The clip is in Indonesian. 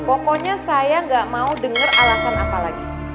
pokoknya saya gak mau dengar alasan apa lagi